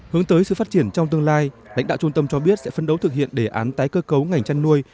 hướng tới sự phát triển trong tương lai lãnh đạo trung tâm cho biết sẽ phấn đấu thực hiện đề án tái cơ cấu ngành chăn nuôi